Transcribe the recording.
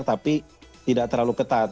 tapi tidak terlalu ketat